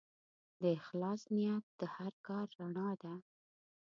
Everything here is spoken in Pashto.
د اخلاص نیت د هر کار رڼا ده.